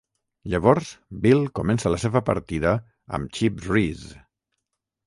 Llavors, Beal comença la seva partida amb Chip Reese.